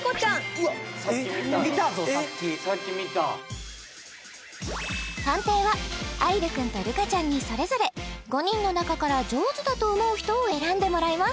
うわっ見たぞさっきさっき見たなさっき見た判定は愛流君と瑠香ちゃんにそれぞれ５人の中から上手だと思う人を選んでもらいます